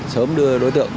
sớm đưa đối tượng